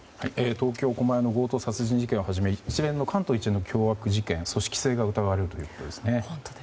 東京・狛江市の強盗殺人事件をはじめ関東一円の凶悪事件組織性が疑われるということですね。